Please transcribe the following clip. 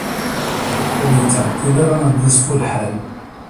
Ur yettɛeṭṭil ara ad yeṣfu lḥal.